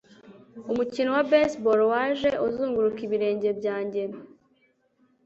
Umukino wa baseball waje uzunguruka ibirenge byanjye.